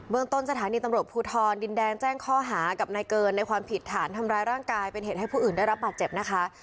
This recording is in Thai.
เมืองต้นสถานีตำรวจภูทรดินแดงแจ้งข้อหากับนายเกินในความผิดฐานทำร้ายร่างกายเป็นเหตุให้ผู้อื่นได้รับบาดเจ็บนะคะ